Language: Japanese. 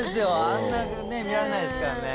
あんな見られないですからね。